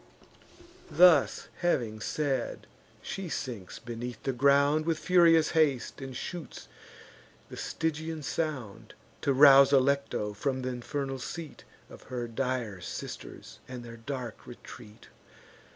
Thus having said, she sinks beneath the ground, With furious haste, and shoots the Stygian sound, To rouse Alecto from th' infernal seat Of her dire sisters, and their dark retreat.